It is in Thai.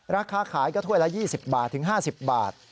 ราคาขายก็ถ้วยละ๒๐บาทถึง๕๐บาท